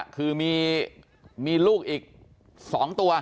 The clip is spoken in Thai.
คือมีลูกอีก๒ตัว